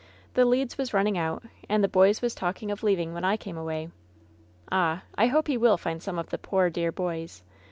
The leads was niiming out, and the boys was talking of leaving when I came away. Ah ! I hope he will find some of the poor, dear boys